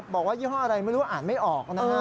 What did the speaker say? บอกว่ายี่ห้ออะไรไม่รู้อ่านไม่ออกนะ